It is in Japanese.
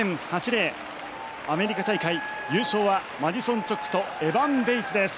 アメリカ大会優勝はマディソン・チョックとエヴァン・ベイツです。